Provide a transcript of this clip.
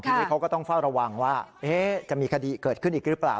ทีนี้เขาก็ต้องเฝ้าระวังว่าจะมีคดีเกิดขึ้นอีกหรือเปล่า